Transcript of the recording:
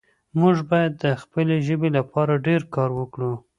موږ باید د خپلې ژبې لپاره ډېر کار وکړو